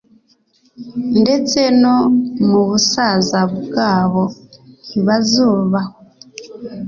ndetse no mu busaza bwabo, ntibazubahwa